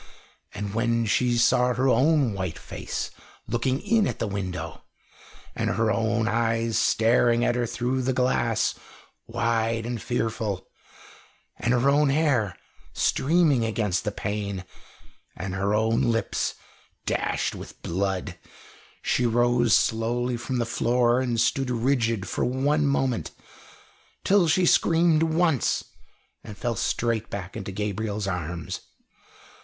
And when she saw her own white face looking in at the window, and her own eyes staring at her through the glass, wide and fearful, and her own hair streaming against the pane, and her own lips dashed with blood, she rose slowly from the floor and stood rigid for one moment, till she screamed once and fell straight back into Gabriel's arms.